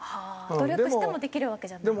努力してもできるわけじゃない？